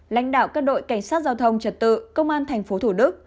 lãnh đạo các đội cảnh sát giao thông trật tự công an thành phố thủ đức